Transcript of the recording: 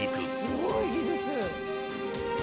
すごい技術！